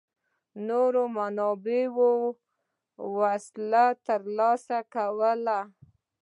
نورو منابعو وسلې ترلاسه کولې.